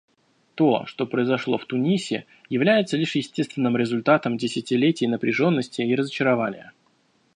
То, что произошло в Тунисе, является лишь естественным результатом десятилетий напряженности и разочарования.